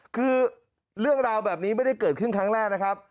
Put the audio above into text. คือเรื่องราวแบบนี้ไม่ได้เกิดขึ้นครั้งแรกนะครับ